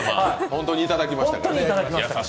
本当にいただきました。